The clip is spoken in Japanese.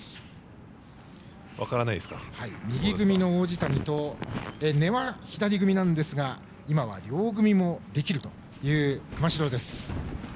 右組みの王子谷と根は左組みなんですが今は両組みもできる熊代です。